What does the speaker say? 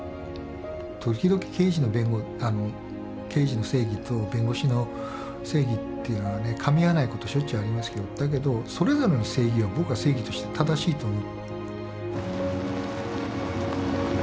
時々刑事の正義と弁護士の正義っていうのはねかみ合わないことしょっちゅうありますけどだけどそれぞれの正義は僕は正義として正しいと思う。